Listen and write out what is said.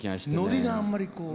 ノリがあんまりこう。